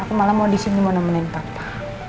aku malah mau disini mau nemenin papa